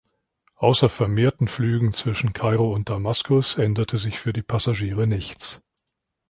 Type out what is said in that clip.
Außer vermehrten Flügen zwischen Kairo und Damaskus änderte sich für die Passagiere nichts.